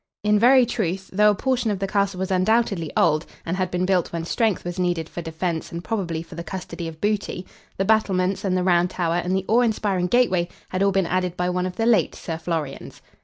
In very truth, though a portion of the castle was undoubtedly old, and had been built when strength was needed for defence and probably for the custody of booty, the battlements, and the round tower, and the awe inspiring gateway had all been added by one of the late Sir Florians.